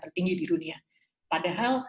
tertinggi di dunia padahal